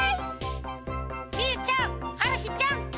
みゆちゃんはるひちゃん。